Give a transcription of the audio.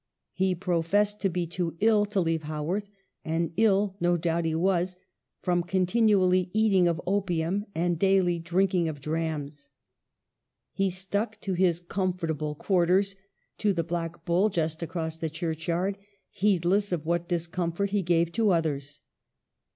He professed to be too ill to leave Haworth ; and ill, no doubt, he was, from continual eating of opium and daily drinking of drams. He stuck to his comfortable quarters, to the "Black Bull" just across the churchyard, heedless of what discomfort he gave to others.